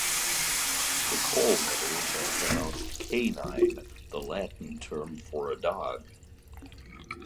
The call letters are pronounced "canine", the Latin term for a dog.